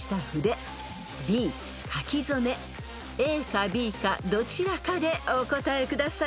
［ＡかＢかどちらかでお答えください］